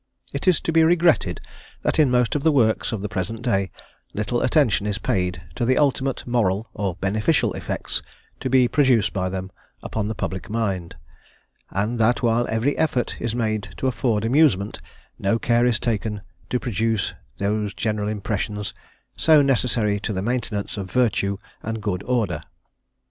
It is to be regretted that in most of the works of the present day, little attention is paid to the ultimate moral or beneficial effects to be produced by them upon the public mind; and that while every effort is made to afford amusement, no care is taken to produce those general impressions, so necessary to the maintenance of virtue and good order.